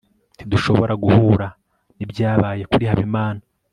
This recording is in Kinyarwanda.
ntidushobora guhura nibyabaye kuri habimana